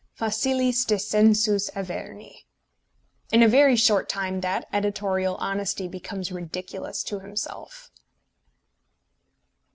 Facilis descensus Averni. In a very short time that editorial honesty becomes ridiculous to himself.